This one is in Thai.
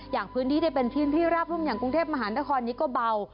อย่างพื้นที่ที่เป็นพื้นที่ราบรุ่มอย่างกรุงเทพมหานครนี้ก็เบา